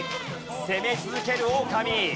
攻め続けるオオカミ。